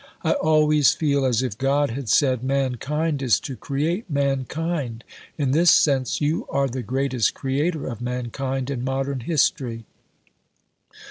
I always feel, as if God had said: mankind is to create mankind. In this sense you are the greatest creator of mankind in modern history....